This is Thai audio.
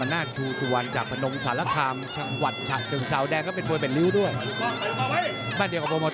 น่าหิดกองน่าหิดกอง